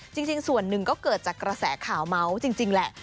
จริงส่วนหนึ่งก็เกิดจากกระแสข่าวเมาส์จริงแหละ